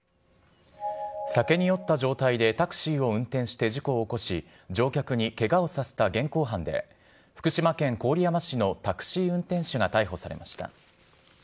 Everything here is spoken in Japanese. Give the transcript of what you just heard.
酒に酔った状態でタクシーを運転して事故を起こし、乗客にけがをさせた現行犯で、福島県郡山市のタクシー運転手が逮捕されました。